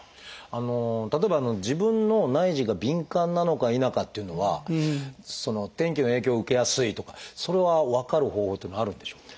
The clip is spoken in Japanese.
例えば自分の内耳が敏感なのか否かというのは天気の影響を受けやすいとかそれは分かる方法というのはあるんでしょうか？